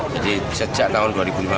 jadi sejak tahun dua ribu lima belas